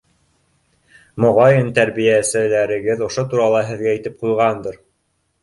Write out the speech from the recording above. Моғайын, тәрбиәселәрегеҙ ошо турала һеҙгә әйтеп ҡуйғандыр.